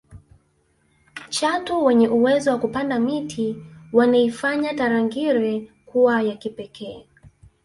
chatu wenye uwezo wa kupanda miti waneifanya tarangire kuwa ya kipekee